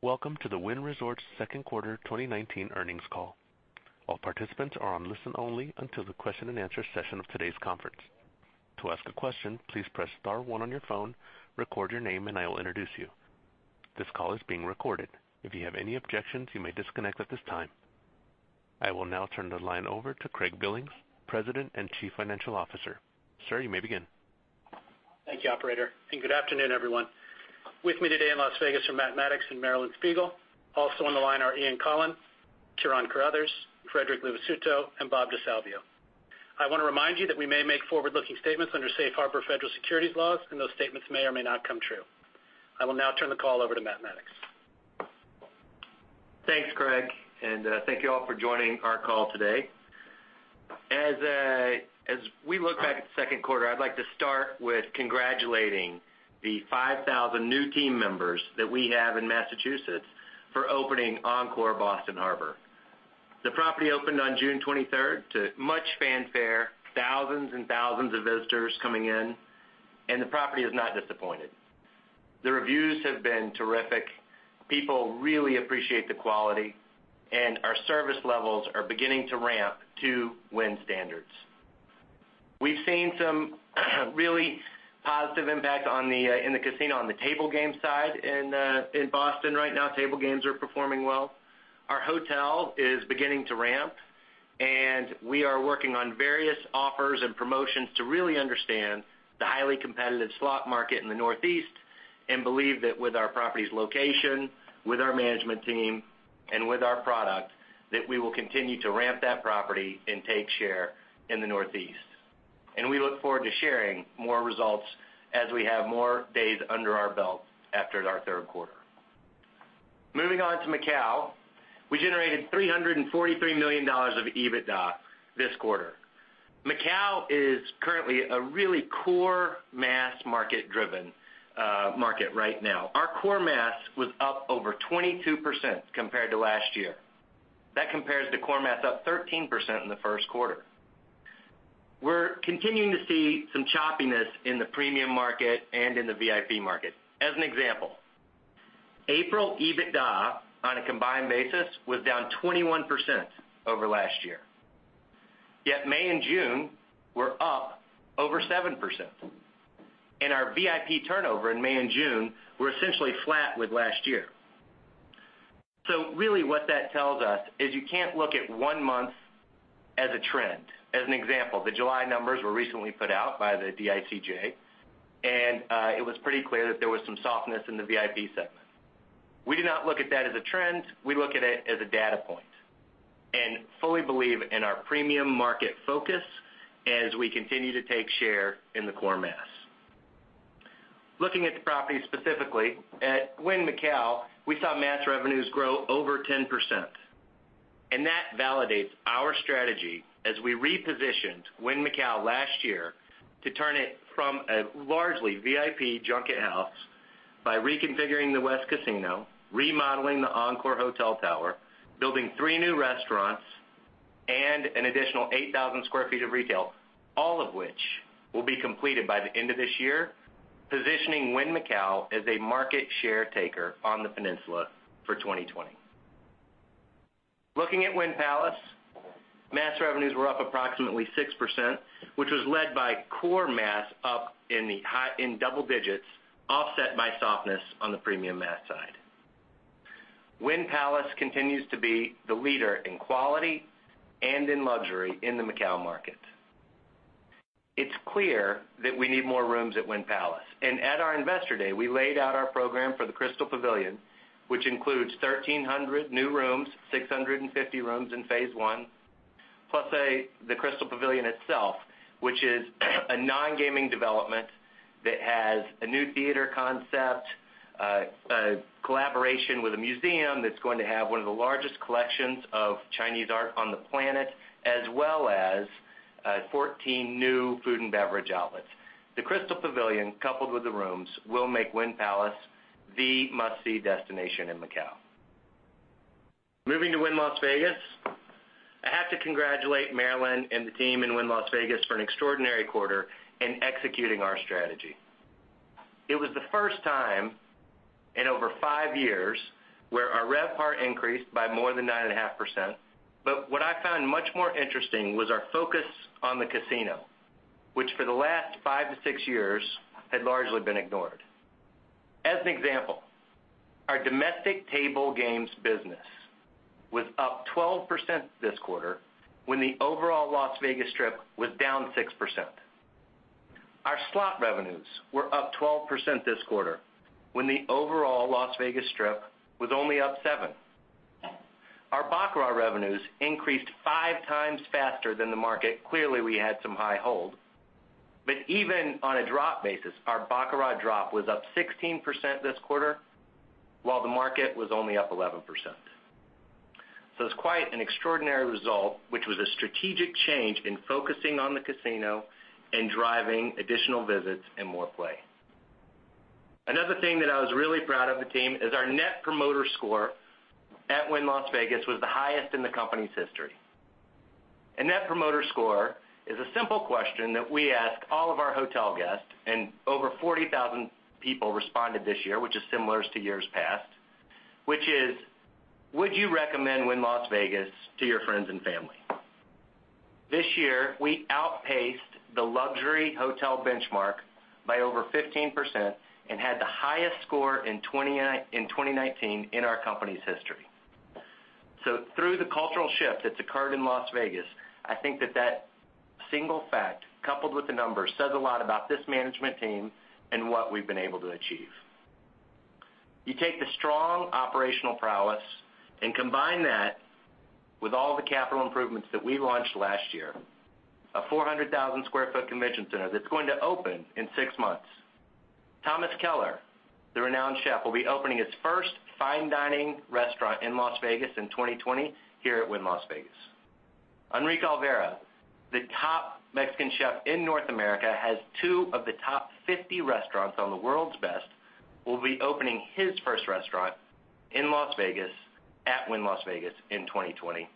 Welcome to the Wynn Resorts second quarter 2019 earnings call. All participants are on listen only until the question and answer session of today's conference. To ask a question, please press star one on your phone, record your name, and I will introduce you. This call is being recorded. If you have any objections, you may disconnect at this time. I will now turn the line over to Craig Billings, President and Chief Financial Officer. Sir, you may begin. Thank you, operator, and good afternoon, everyone. With me today in Las Vegas are Matt Maddox and Marilyn Spiegel. Also on the line are Ian Coughlan, Ciaran Carruthers, Frederic Luvisutto, and Bob DeSalvio. I want to remind you that we may make forward-looking statements under Safe Harbor federal securities laws, and those statements may or may not come true. I will now turn the call over to Matt Maddox. Thanks, Craig. Thank you all for joining our call today. As we look back at the second quarter, I'd like to start with congratulating the 5,000 new team members that we have in Massachusetts for opening Encore Boston Harbor. The property opened on June 23rd to much fanfare, thousands and thousands of visitors coming in, and the property has not disappointed. The reviews have been terrific. People really appreciate the quality, and our service levels are beginning to ramp to Wynn standards. We've seen some really positive impact in the casino on the table game side in Boston right now. Table games are performing well. Our hotel is beginning to ramp, we are working on various offers and promotions to really understand the highly competitive slot market in the Northeast and believe that with our property's location, with our management team, and with our product, that we will continue to ramp that property and take share in the Northeast. We look forward to sharing more results as we have more days under our belt after our third quarter. Moving on to Macau, we generated $343 million of EBITDA this quarter. Macau is currently a really core mass market-driven market right now. Our core mass was up over 22% compared to last year. That compares to core mass up 13% in the first quarter. We're continuing to see some choppiness in the premium market and in the VIP market. As an example, April EBITDA on a combined basis was down 21% over last year. May and June were up over 7%. Our VIP turnover in May and June were essentially flat with last year. Really what that tells us is you can't look at one month as a trend. As an example, the July numbers were recently put out by the DICJ, and it was pretty clear that there was some softness in the VIP segment. We do not look at that as a trend. We look at it as a data point and fully believe in our premium market focus as we continue to take share in the core mass. Looking at the properties specifically, at Wynn Macau, we saw mass revenues grow over 10%. That validates our strategy as we repositioned Wynn Macau last year to turn it from a largely VIP junket house by reconfiguring the west casino, remodeling the Encore hotel tower, building three new restaurants and an additional 8,000 square feet of retail, all of which will be completed by the end of this year, positioning Wynn Macau as a market share taker on the peninsula for 2020. Looking at Wynn Palace, mass revenues were up approximately 6%, which was led by core mass up in double digits, offset by softness on the premium mass side. Wynn Palace continues to be the leader in quality and in luxury in the Macau market. It's clear that we need more rooms at Wynn Palace, and at our investor day, we laid out our program for the Crystal Pavilion, which includes 1,300 new rooms, 650 rooms in phase 1, plus the Crystal Pavilion itself, which is a non-gaming development that has a new theater concept, a collaboration with a museum that's going to have one of the largest collections of Chinese art on the planet, as well as 14 new food and beverage outlets. The Crystal Pavilion, coupled with the rooms, will make Wynn Palace the must-see destination in Macau. Moving to Wynn Las Vegas, I have to congratulate Marilyn and the team in Wynn Las Vegas for an extraordinary quarter in executing our strategy. It was the first time in over five years where our RevPAR increased by more than 9.5%. What I found much more interesting was our focus on the casino, which for the last five to six years had largely been ignored. As an example, our domestic table games business was up 12% this quarter when the overall Las Vegas Strip was down 6%. Our slot revenues were up 12% this quarter when the overall Las Vegas Strip was only up 7%. Our baccarat revenues increased five times faster than the market. Clearly, we had some high hold. Even on a drop basis, our baccarat drop was up 16% this quarter while the market was only up 11%. It's quite an extraordinary result, which was a strategic change in focusing on the casino and driving additional visits and more play. Another thing that I was really proud of the team is our Net Promoter Score at Wynn Las Vegas was the highest in the company's history.A Net Promoter Score is a simple question that we ask all of our hotel guests, and over 40,000 people responded this year, which is similar to years past, which is: Would you recommend Wynn Las Vegas to your friends and family? This year, we outpaced the luxury hotel benchmark by over 15% and had the highest score in 2019 in our company's history. Through the cultural shift that's occurred in Las Vegas, I think that that single fact, coupled with the numbers, says a lot about this management team and what we've been able to achieve. You take the strong operational prowess and combine that with all the capital improvements that we launched last year, a 400,000 sq ft convention center that's going to open in six months. Thomas Keller, the renowned chef, will be opening his first fine dining restaurant in Las Vegas in 2020 here at Wynn Las Vegas. Enrique Olvera, the top Mexican chef in North America, has two of the top 50 restaurants on the world's best, will be opening his first restaurant in Las Vegas at Wynn Las Vegas in 2020.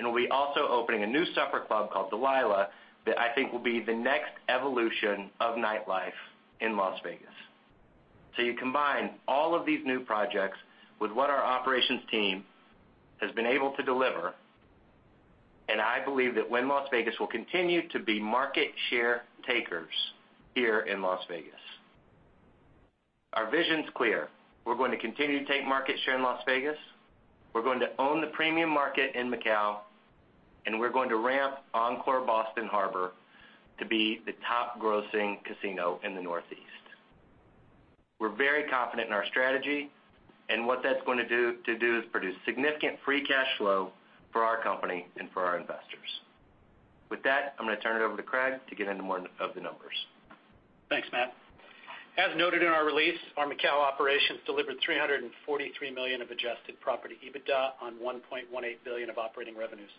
We'll be also opening a new supper club called Delilah that I think will be the next evolution of nightlife in Las Vegas. You combine all of these new projects with what our operations team has been able to deliver, and I believe that Wynn Las Vegas will continue to be market share takers here in Las Vegas. Our vision's clear. We're going to continue to take market share in Las Vegas. We're going to own the premium market in Macau, and we're going to ramp Encore Boston Harbor to be the top grossing casino in the Northeast. We're very confident in our strategy, and what that's going to do is produce significant free cash flow for our company and for our investors. With that, I'm going to turn it over to Craig to get into more of the numbers. Thanks, Matt. As noted in our release, our Macau operations delivered $343 million of adjusted property EBITDA on $1.18 billion of operating revenues.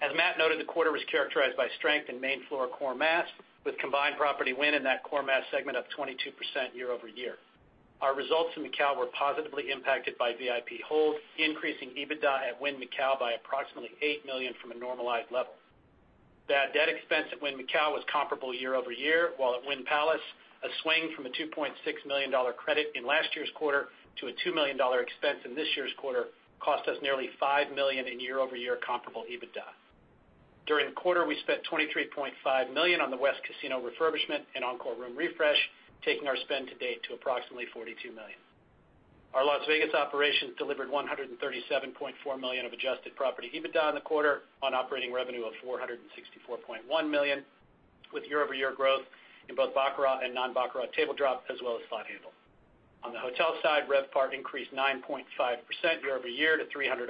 As Matt noted, the quarter was characterized by strength in main floor core mass, with combined property Wynn in that core mass segment up 22% year-over-year. Our results in Macau were positively impacted by VIP hold, increasing EBITDA at Wynn Macau by approximately $8 million from a normalized level. Bad debt expense at Wynn Macau was comparable year-over-year, while at Wynn Palace, a swing from a $2.6 million credit in last year's quarter to a $2 million expense in this year's quarter cost us nearly $5 million in year-over-year comparable EBITDA. During the quarter, we spent $23.5 million on the West Casino refurbishment and Encore room refresh, taking our spend to date to approximately $42 million. Our Las Vegas operations delivered $137.4 million of adjusted property EBITDA in the quarter on operating revenue of $464.1 million, with year-over-year growth in both baccarat and non-baccarat table drop, as well as slot handle. On the hotel side, RevPAR increased 9.5% year-over-year to $300,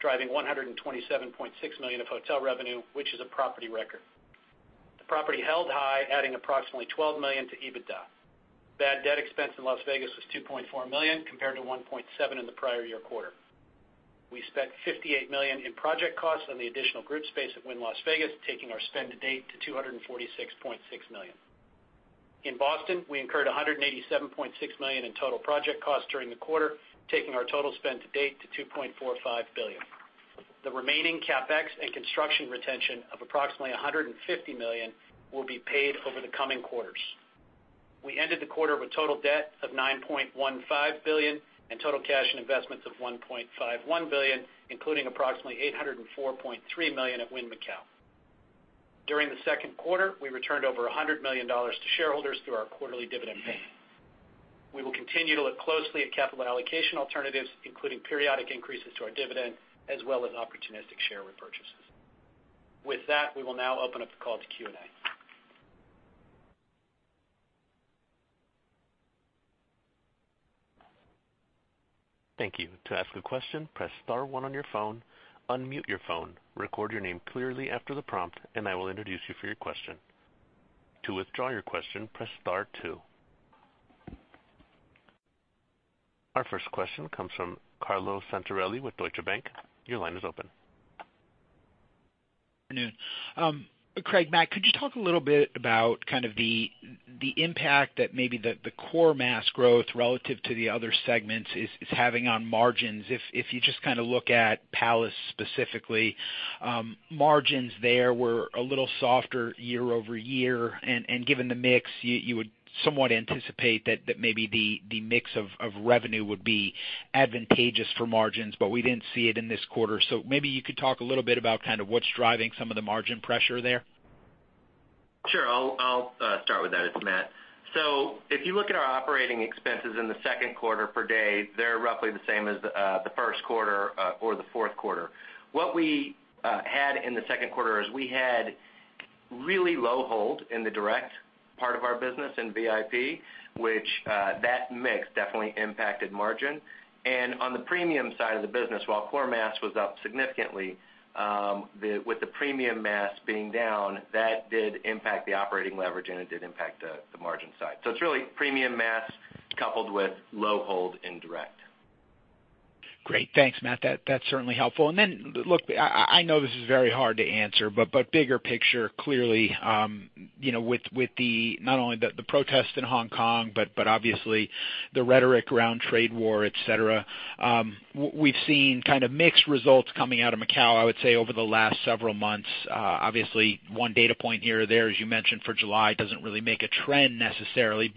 driving $127.6 million of hotel revenue, which is a property record. The property held high, adding approximately $12 million to EBITDA. Bad debt expense in Las Vegas was $2.4 million compared to $1.7 million in the prior year quarter. We spent $58 million in project costs on the additional group space at Wynn Las Vegas, taking our spend to date to $246.6 million. In Boston, we incurred $187.6 million in total project costs during the quarter, taking our total spend to date to $2.45 billion. The remaining CapEx and construction retention of approximately $150 million will be paid over the coming quarters. We ended the quarter with total debt of $9.15 billion and total cash and investments of $1.51 billion, including approximately $804.3 million at Wynn Macau. During the second quarter, we returned over $100 million to shareholders through our quarterly dividend payment. We will continue to look closely at capital allocation alternatives, including periodic increases to our dividend, as well as opportunistic share repurchases. With that, we will now open up the call to Q&A. Thank you. To ask a question, press star one on your phone, unmute your phone, record your name clearly after the prompt, and I will introduce you for your question. To withdraw your question, press star two. Our first question comes from Carlo Santarelli with Deutsche Bank. Your line is open. Good afternoon. Craig, Matt, could you talk a little bit about kind of the impact that maybe the core mass growth relative to the other segments is having on margins? If you just kind of look at Palace specifically, margins there were a little softer year-over-year, and given the mix, you would somewhat anticipate that maybe the mix of revenue would be advantageous for margins, but we didn't see it in this quarter. Maybe you could talk a little bit about kind of what's driving some of the margin pressure there. Sure. I'll start with that. It's Matt. If you look at our operating expenses in the second quarter per day, they're roughly the same as the first quarter or the fourth quarter. What we had in the second quarter is we had really low hold in the direct part of our business in VIP, which, that mix definitely impacted margin. On the premium side of the business, while core mass was up significantly, with the premium mass being down, that did impact the operating leverage and it did impact the margin side. It's really premium mass coupled with low hold in direct. Great. Thanks, Matt. That's certainly helpful. Look, I know this is very hard to answer, but bigger picture, clearly, with not only the protests in Hong Kong, but obviously the rhetoric around trade war, et cetera. We've seen kind of mixed results coming out of Macau, I would say, over the last several months. Obviously, one data point here or there, as you mentioned for July, doesn't really make a trend necessarily.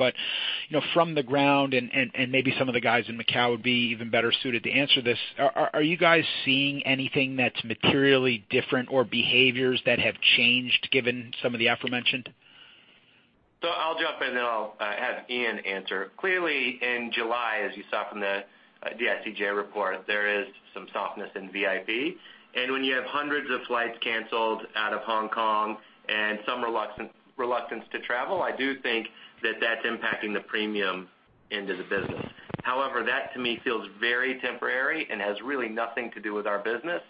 From the ground, and maybe some of the guys in Macau would be even better suited to answer this, are you guys seeing anything that's materially different or behaviors that have changed given some of the aforementioned? I'll jump in, then I'll have Ian answer. Clearly, in July, as you saw from the DICJ report, there is some softness in VIP. When you have hundreds of flights canceled out of Hong Kong and some reluctance to travel, I do think that that's impacting the premium end of the business. However, that to me feels very temporary and has really nothing to do with our business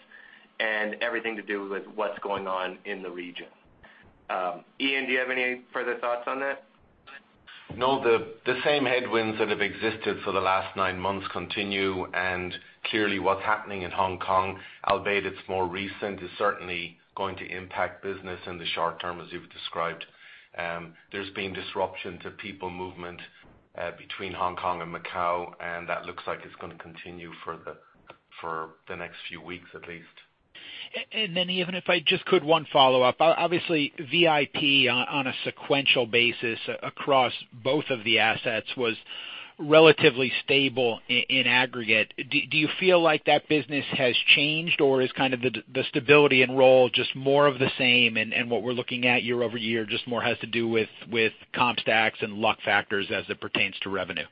and everything to do with what's going on in the region. Ian, do you have any further thoughts on that? The same headwinds that have existed for the last nine months continue. Clearly what's happening in Hong Kong, albeit it's more recent, is certainly going to impact business in the short term, as you've described. There's been disruption to people movement between Hong Kong and Macao. That looks like it's going to continue for the next few weeks at least. Ian, if I just could, one follow-up. Obviously, VIP on a sequential basis across both of the assets was relatively stable in aggregate. Do you feel like that business has changed, or is kind of the stability and roll just more of the same, and what we're looking at year-over-year just more has to do with comp stacks and luck factors as it pertains to revenue?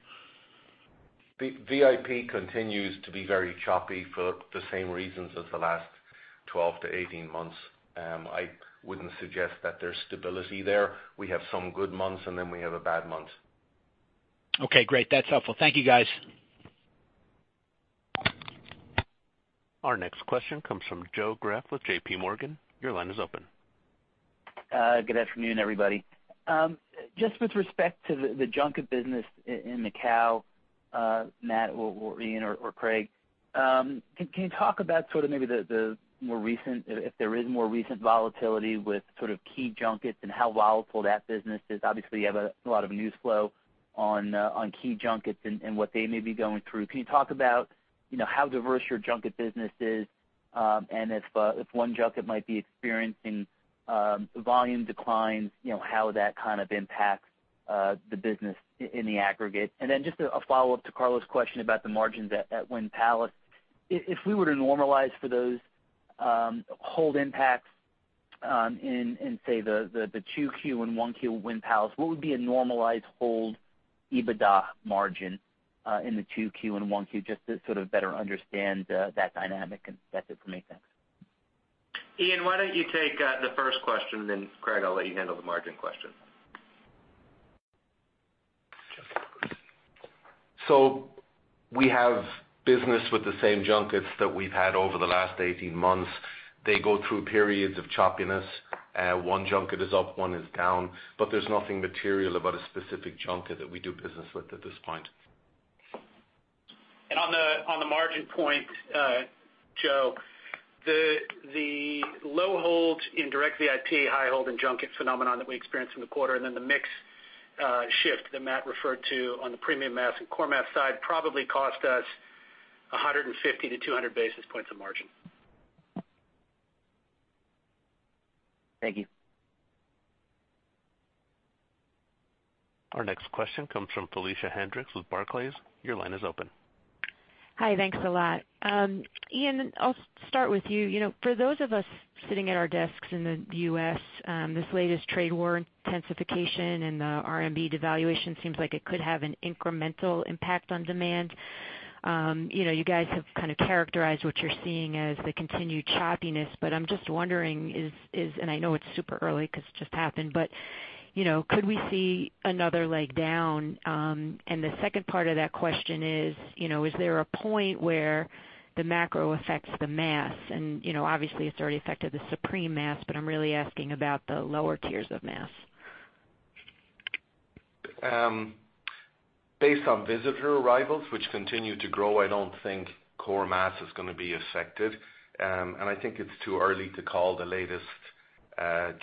VIP continues to be very choppy for the same reasons as the last 12-18 months. I wouldn't suggest that there's stability there. We have some good months, and then we have a bad month. Okay, great. That's helpful. Thank you, guys. Our next question comes from Joseph Greff with J.P. Morgan. Your line is open. Good afternoon, everybody. Just with respect to the junket business in Macau, Matt or Ian or Craig, can you talk about sort of maybe the more recent, if there is more recent volatility with sort of key junkets and how volatile that business is? Obviously, you have a lot of news flow on key junkets and what they may be going through. Can you talk about how diverse your junket business is, and if one junket might be experiencing volume declines, how that kind of impacts the business in the aggregate? Then just a follow-up to Carlo's question about the margins at Wynn Palace. If we were to normalize for those hold impacts in, say, the 2Q and 1Q of Wynn Palace, what would be a normalized hold EBITDA margin in the 2Q and 1Q, just to sort of better understand that dynamic, if that's okay, if that makes sense? Ian, why don't you take the first question, then Craig, I'll let you handle the margin question. We have business with the same junkets that we've had over the last 18 months. They go through periods of choppiness. One junket is up, one is down, but there's nothing material about a specific junket that we do business with at this point. On the margin point, Joe, the low hold in direct VIP, high hold in junket phenomenon that we experienced in the quarter, then the mix shift that Matt referred to on the premium mass and core mass side probably cost us 150 to 200 basis points of margin. Thank you. Our next question comes from Felicia Hendrix with Barclays. Your line is open. Hi. Thanks a lot. Ian, I'll start with you. For those of us sitting at our desks in the U.S., this latest trade war intensification and the RMB devaluation seems like it could have an incremental impact on demand. You guys have kind of characterized what you're seeing as the continued choppiness, but I'm just wondering is, and I know it's super early because it just happened, but could we see another leg down? The second part of that question is: Is there a point where the macro affects the mass? Obviously it's already affected the Supreme mass, but I'm really asking about the lower tiers of mass. Based on visitor arrivals, which continue to grow, I don't think core mass is going to be affected. I think it's too early to call the latest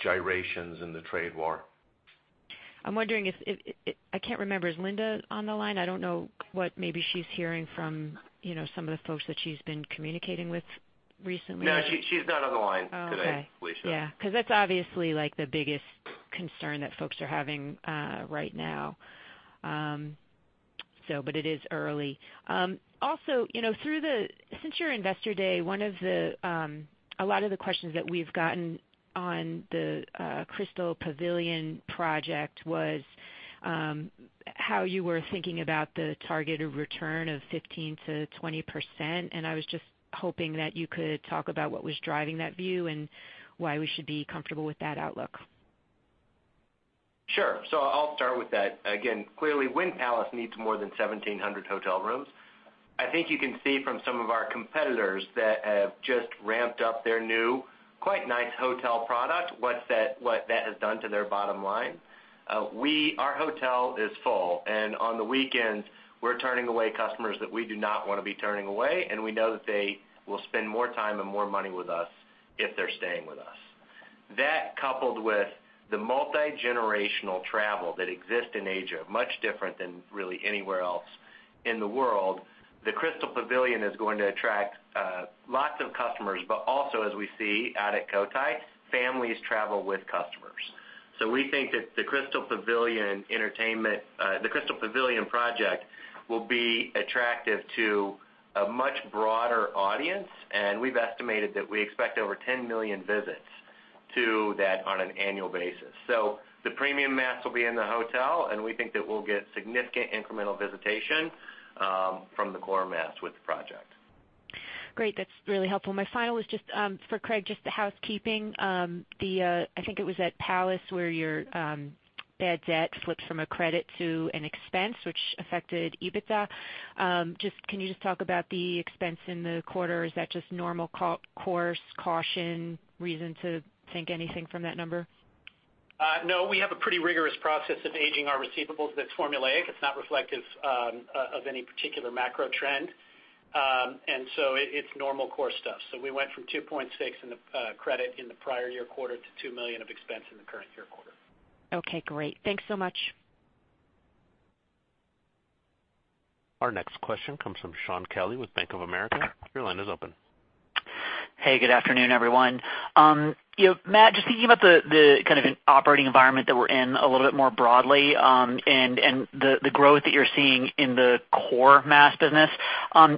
gyrations in the trade war. I'm wondering if, I can't remember, is Linda on the line? I don't know what maybe she's hearing from some of the folks that she's been communicating with recently. No, she's not on the line today, Felicia. Okay. Yeah. Because that's obviously the biggest concern that folks are having right now. It is early. Also, since your investor day, a lot of the questions that we've gotten on the Crystal Pavilion project was how you were thinking about the targeted return of 15%-20% and I was just hoping that you could talk about what was driving that view and why we should be comfortable with that outlook. Sure. I'll start with that. Again, clearly, Wynn Palace needs more than 1,700 hotel rooms. I think you can see from some of our competitors that have just ramped up their new, quite nice hotel product, what that has done to their bottom line. Our hotel is full, and on the weekends we're turning away customers that we do not want to be turning away, and we know that they will spend more time and more money with us if they're staying with us. That, coupled with the multi-generational travel that exists in Asia, much different than really anywhere else in the world, the Crystal Pavilion is going to attract lots of customers, but also as we see out at Cotai, families travel with customers. We think that the Crystal Pavilion project will be attractive to a much broader audience, and we've estimated that we expect over 10 million visits to that on an annual basis. The premium mass will be in the hotel, and we think that we'll get significant incremental visitation from the core mass with the project. Great. That's really helpful. My final was just for Craig, just the housekeeping. I think it was at Palace where your bad debt flipped from a credit to an expense which affected EBITDA. Can you just talk about the expense in the quarter? Is that just normal course caution, reason to think anything from that number? No, we have a pretty rigorous process of aging our receivables that's formulaic. It's not reflective of any particular macro trend. It's normal course stuff. We went from $2.6 in the credit in the prior year quarter to $2 million of expense in the current year quarter. Okay, great. Thanks so much. Our next question comes from Shaun Kelley with Bank of America. Your line is open. Hey, good afternoon, everyone. Matt, just thinking about the kind of operating environment that we're in a little bit more broadly, and the growth that you're seeing in the core mass business.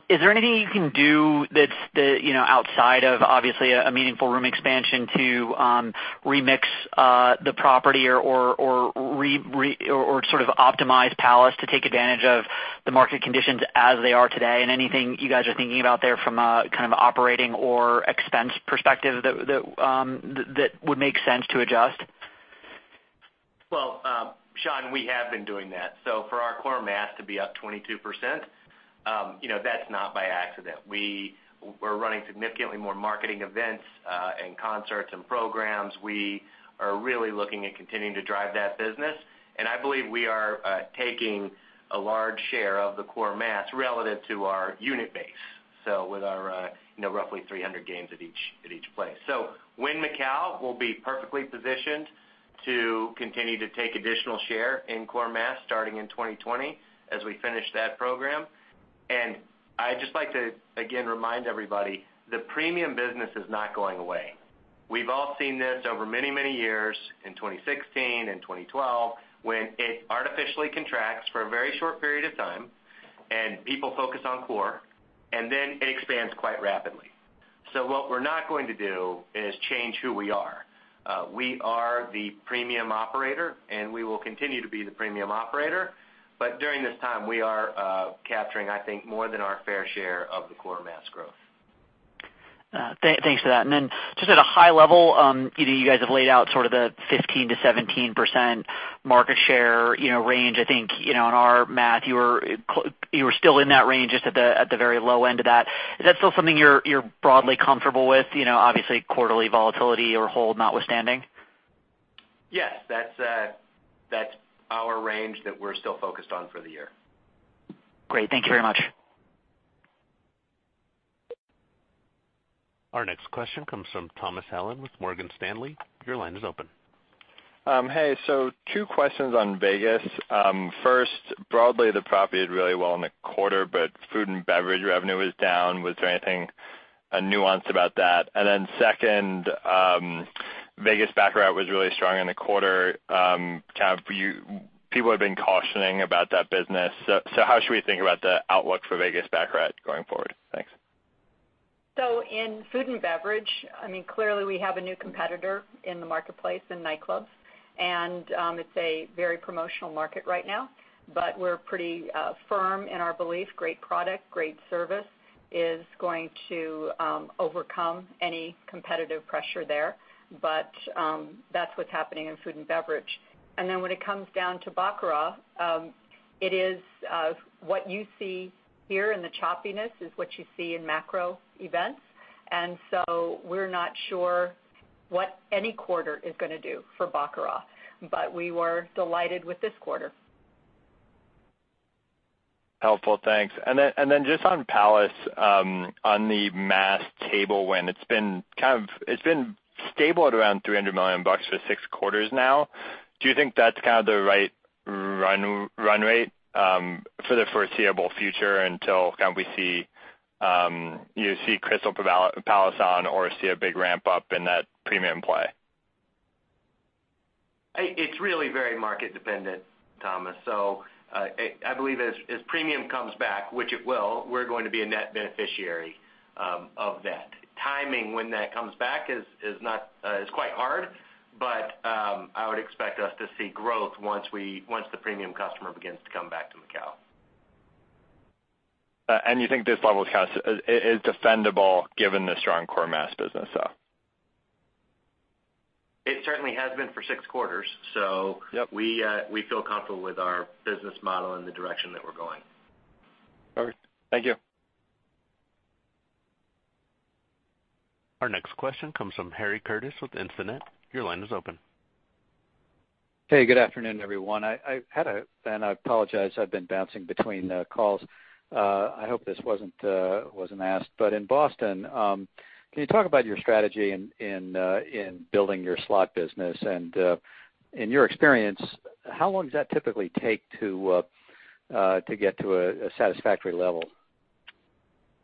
Is there anything you can do that's outside of obviously a meaningful room expansion to remix the property or sort of optimize Palace to take advantage of the market conditions as they are today? Anything you guys are thinking about there from a kind of operating or expense perspective that would make sense to adjust? Well, Shaun, we have been doing that. For our core mass to be up 22%, that's not by accident. We're running significantly more marketing events, and concerts and programs. We are really looking at continuing to drive that business, and I believe we are taking a large share of the core mass relative to our unit base with our roughly 300 games at each place. Wynn Macau will be perfectly positioned to continue to take additional share in core mass starting in 2020 as we finish that program. I'd just like to, again, remind everybody, the premium business is not going away. We've all seen this over many, many years. In 2016 and 2012, when it artificially contracts for a very short period of time and people focus on core, and then it expands quite rapidly. What we're not going to do is change who we are. We are the premium operator, and we will continue to be the premium operator. During this time, we are capturing, I think, more than our fair share of the core mass growth. Thanks for that. Just at a high level, you guys have laid out sort of the 15%-17% market share range. I think, in our math, you were still in that range, just at the very low end of that. Is that still something you're broadly comfortable with? Obviously quarterly volatility or hold notwithstanding. Yes. That's our range that we're still focused on for the year. Great. Thank you very much. Our next question comes from Thomas Allen with Morgan Stanley. Your line is open. Hey. Two questions on Vegas. First, broadly, the property did really well in the quarter, but food and beverage revenue was down. Was there anything nuanced about that? Then second, Vegas baccarat was really strong in the quarter. People have been cautioning about that business. How should we think about the outlook for Vegas baccarat going forward? Thanks. In food and beverage, clearly we have a new competitor in the marketplace in nightclubs, and it's a very promotional market right now, but we're pretty firm in our belief, great product, great service is going to overcome any competitive pressure there. That's what's happening in food and beverage. When it comes down to baccarat, what you see here in the choppiness is what you see in macro events. We're not sure what any quarter is going to do for baccarat, but we were delighted with this quarter. Helpful. Thanks. Then just on Palace, on the mass table win, it's been stable at around $300 million for six quarters now. Do you think that's kind of the right run rate for the foreseeable future until you see Crystal Pavilion on or see a big ramp-up in that premium play? It's really very market dependent, Thomas. I believe as premium comes back, which it will, we're going to be a net beneficiary of that. Timing when that comes back is quite hard, but I would expect us to see growth once the premium customer begins to come back to Macau. You think this level, it is defendable given the strong core mass business, though? It certainly has been for six quarters. Yep. We feel comfortable with our business model and the direction that we're going. Perfect. Thank you. Our next question comes from Harry Curtis with Instinet. Your line is open. Hey, good afternoon, everyone. I apologize, I've been bouncing between calls. I hope this wasn't asked, in Boston, can you talk about your strategy in building your slot business? In your experience, how long does that typically take to get to a satisfactory level?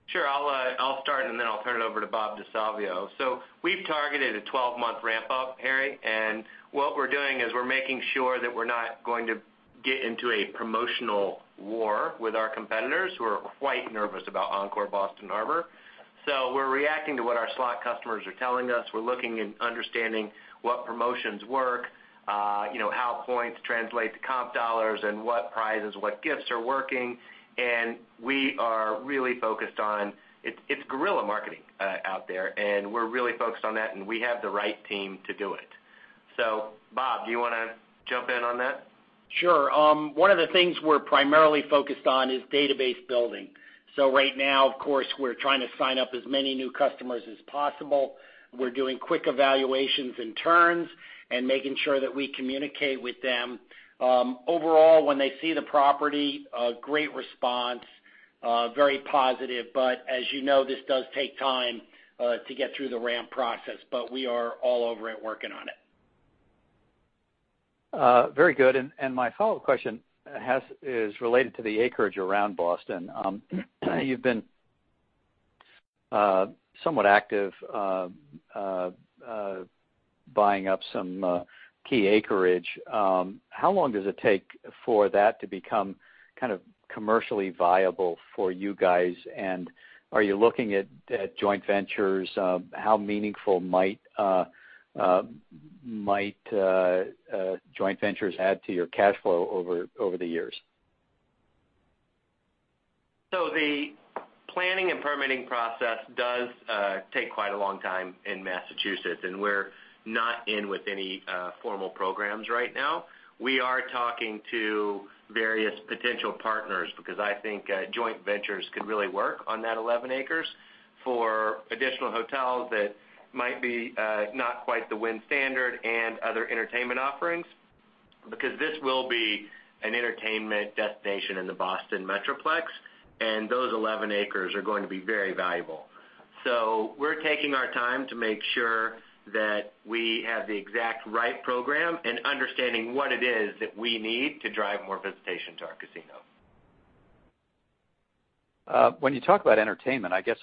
Sure. I'll start, and then I'll turn it over to Bob DeSalvio. We've targeted a 12-month ramp up, Harry, and what we're doing is we're making sure that we're not going to get into a promotional war with our competitors who are quite nervous about Encore Boston Harbor. We're reacting to what our slot customers are telling us. We're looking and understanding what promotions work, how points translate to comp dollars, and what prizes, what gifts are working. We are really focused on, it's guerrilla marketing out there, and we're really focused on that, and we have the right team to do it. Bob, do you want to jump in on that? Sure. One of the things we're primarily focused on is database building. Right now, of course, we're trying to sign up as many new customers as possible. We're doing quick evaluations and turns and making sure that we communicate with them. Overall, when they see the property, a great response, very positive. As you know, this does take time to get through the ramp process, but we are all over it working on it. Very good. My follow-up question is related to the acreage around Boston. You've been somewhat active buying up some key acreage. How long does it take for that to become kind of commercially viable for you guys? Are you looking at joint ventures? How meaningful might joint ventures add to your cash flow over the years? The planning and permitting process does take quite a long time in Massachusetts, and we're not in with any formal programs right now. We are talking to various potential partners because I think joint ventures could really work on that 11 acres for additional hotels that might be not quite the Wynn standard and other entertainment offerings, because this will be an entertainment destination in the Boston metroplex, and those 11 acres are going to be very valuable. We're taking our time to make sure that we have the exact right program and understanding what it is that we need to drive more visitation to our casinos. When you talk about entertainment, I guess,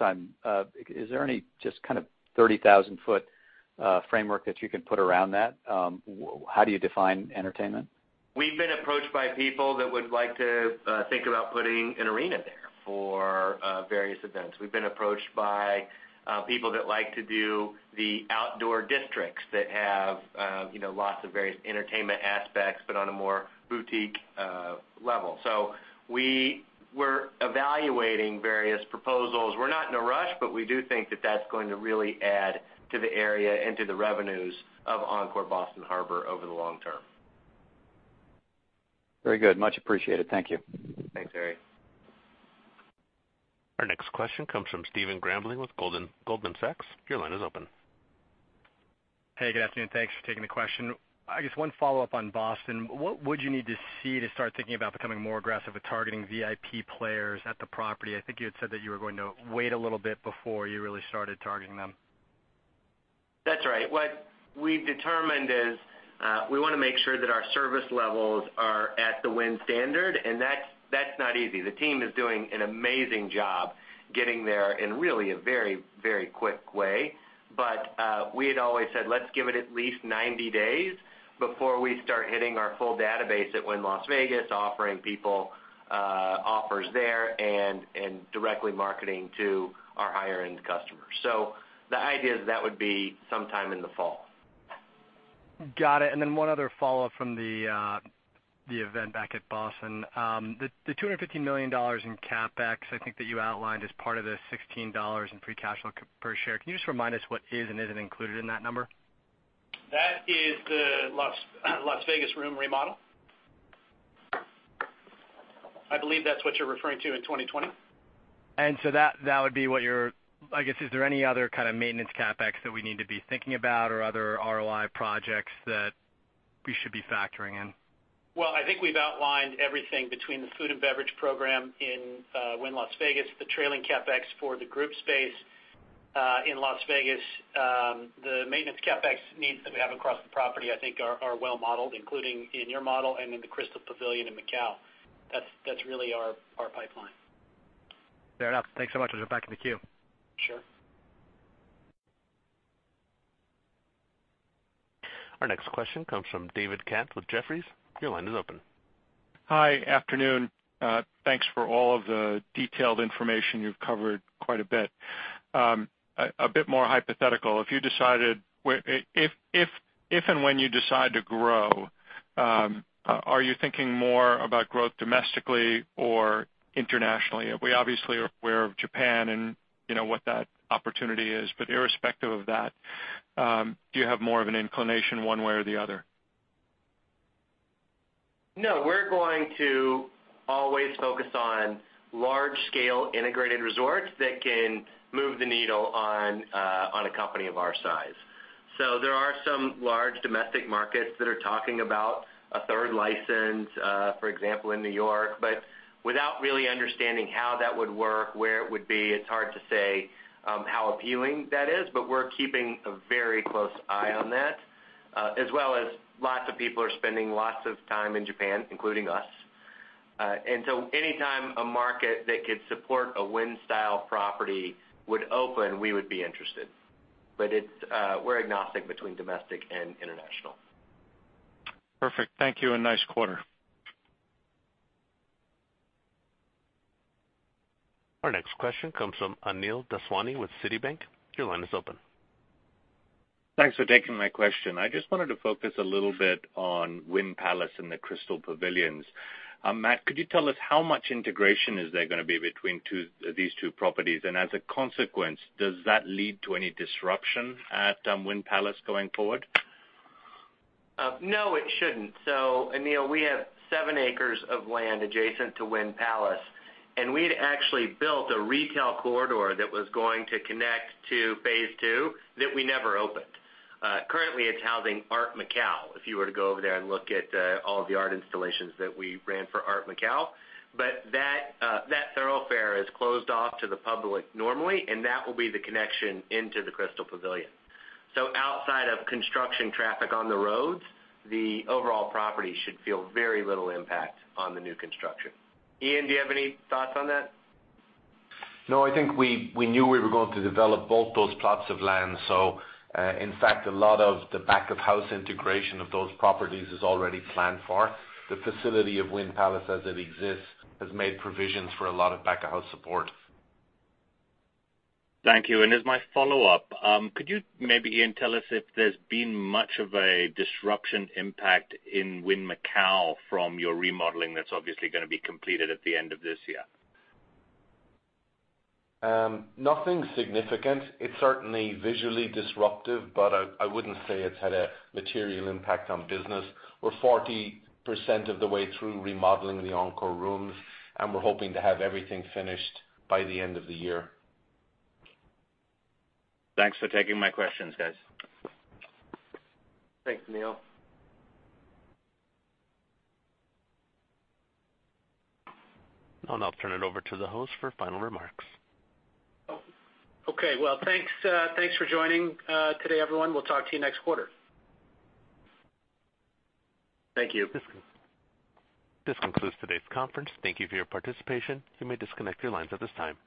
is there any just kind of 30,000-foot framework that you can put around that? How do you define entertainment? We've been approached by people that would like to think about putting an arena there for various events. We've been approached by people that like to do the outdoor districts that have lots of various entertainment aspects, but on a more boutique level. We were evaluating various proposals. We're not in a rush, but we do think that that's going to really add to the area and to the revenues of Encore Boston Harbor over the long term. Very good. Much appreciated. Thank you. Thanks, Harry. Our next question comes from Stephen Grambling with Goldman Sachs. Your line is open. Hey, good afternoon. Thanks for taking the question. I guess one follow-up on Boston. What would you need to see to start thinking about becoming more aggressive with targeting VIP players at the property? I think you had said that you were going to wait a little bit before you really started targeting them. That's right. What we've determined is, we want to make sure that our service levels are at the Wynn standard, and that's not easy. The team is doing an amazing job getting there in really a very, very quick way. We had always said, let's give it at least 90 days before we start hitting our full database at Wynn Las Vegas, offering people offers there and directly marketing to our higher-end customers. The idea is that would be sometime in the fall. Got it. One other follow-up from the event back at Boston. The $250 million in CapEx, I think that you outlined as part of the $16 in free cash flow per share. Can you just remind us what is and isn't included in that number? That is the Las Vegas room remodel. I believe that's what you're referring to in 2020. I guess, is there any other kind of maintenance CapEx that we need to be thinking about or other ROI projects that we should be factoring in? Well, I think we've outlined everything between the food and beverage program in Wynn Las Vegas, the trailing CapEx for the group space, in Las Vegas. The maintenance CapEx needs that we have across the property, I think, are well modeled, including in your model and in the Crystal Pavilion in Macau. That's really our pipeline. Fair enough. Thanks so much. I'll jump back in the queue. Sure. Our next question comes from David Katz with Jefferies. Your line is open. Hi. Afternoon. Thanks for all of the detailed information. You've covered quite a bit. A bit more hypothetical. If and when you decide to grow, are you thinking more about growth domestically or internationally? We obviously are aware of Japan and what that opportunity is. Irrespective of that, do you have more of an inclination one way or the other? No, we're going to always focus on large-scale integrated resorts that can move the needle on a company of our size. There are some large domestic markets that are talking about a third license, for example, in New York. Without really understanding how that would work, where it would be, it's hard to say how appealing that is. We're keeping a very close eye on that, as well as lots of people are spending lots of time in Japan, including us. Anytime a market that could support a Wynn-style property would open, we would be interested. We're agnostic between domestic and international. Perfect. Thank you, and nice quarter. Our next question comes from Anil Daswani with Citibank. Your line is open. Thanks for taking my question. I just wanted to focus a little bit on Wynn Palace and the Crystal Pavilions. Matt, could you tell us how much integration is there going to be between these two properties? As a consequence, does that lead to any disruption at Wynn Palace going forward? No, it shouldn't. Anil, we have 7 acres of land adjacent to Wynn Palace, and we had actually built a retail corridor that was going to connect to phase two that we never opened. Currently, it's housing Art Macao, if you were to go over there and look at all of the art installations that we ran for Art Macao. That thoroughfare is closed off to the public normally, and that will be the connection into the Crystal Pavilion. Outside of construction traffic on the roads, the overall property should feel very little impact on the new construction. Ian, do you have any thoughts on that? I think we knew we were going to develop both those plots of land. In fact, a lot of the back-of-house integration of those properties is already planned for. The facility of Wynn Palace, as it exists, has made provisions for a lot of back-of-house support. Thank you. As my follow-up, could you maybe, Ian, tell us if there's been much of a disruption impact in Wynn Macau from your remodeling that's obviously going to be completed at the end of this year? Nothing significant. It's certainly visually disruptive, but I wouldn't say it's had a material impact on business. We're 40% of the way through remodeling the Encore rooms, and we're hoping to have everything finished by the end of the year. Thanks for taking my questions, guys. Thanks, Anil. I'll now turn it over to the host for final remarks. Okay. Well, thanks for joining today, everyone. We'll talk to you next quarter. Thank you. This concludes today's conference. Thank you for your participation. You may disconnect your lines at this time.